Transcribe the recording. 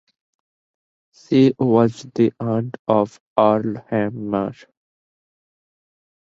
She was the aunt of Earl Hamner.